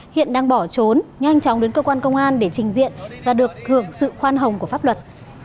hiện đang bỏ trốn nhanh chóng đến cơ quan công an để trình diện và được hưởng sự khoan hồng của pháp luật